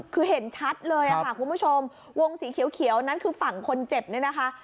คือเห็นชัดเลยค่ะคุณผู้ชมวงสีเขียวนั้นคือฝั่งคนเจ็บเนี่ยนะคะ